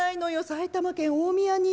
埼玉県大宮に。